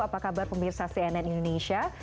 apa kabar pemirsa cnn indonesia